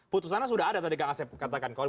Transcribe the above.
putusannya sudah ada tadi kak asep katakan